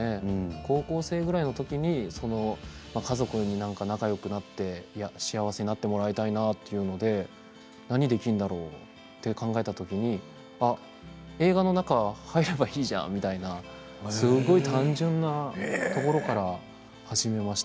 高校生くらいの時に家族４人になんか仲よくなって幸せになってほしいということで何ができるんだろうと考えた時に映画の中に入ればいいじゃんみたいな、すごく単純なところから始めました